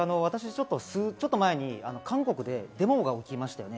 ちょっと前に韓国でデモが起きましたよね。